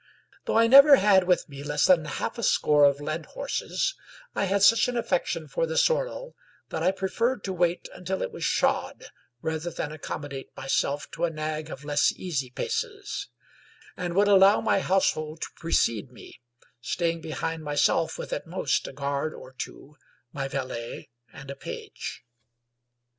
Though I never had with me less than half a score of led horses, I had such an affection for the sorrel that I preferred to wait until it was shod, rather than accommodate myself to a nag of less easy paces; and would allow my household to precede me, staying behind myself with at most a guard or two, my valet, and a page.